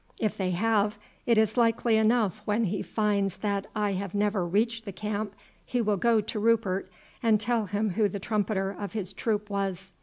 If they have, it is likely enough when he finds that I have never reached the camp he will go to Rupert and tell him who the trumpeter of his troop was.